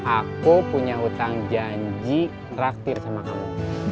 aku punya utang janji ngeraktir sama kamu